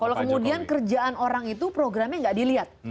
kalau kemudian kerjaan orang itu programnya nggak dilihat